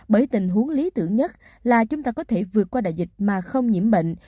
bởi tình huống lý tưởng nhất là chúng ta có thể vượt qua đại dịch mà không nhiễm bệnh